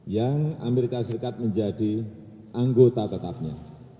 yang amerika serikat menjadi anggota tetapnya